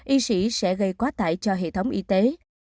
y sĩ sẽ gây quá tải cho hệ thống y tế